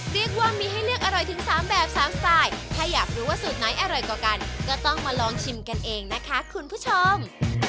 เรียกว่ามีให้เลือกอร่อยถึง๓แบบ๓สไตล์ถ้าอยากรู้ว่าสูตรไหนอร่อยกว่ากันก็ต้องมาลองชิมกันเองนะคะคุณผู้ชม